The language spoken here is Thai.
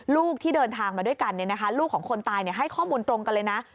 ลูกที่เดินทางมาด้วยกันลูกของคนตายให้ข้อมูลตรงกันเลยนะ